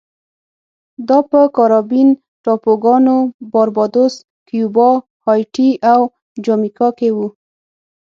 دا په کارابین ټاپوګانو باربادوس، کیوبا، هایټي او جامیکا کې و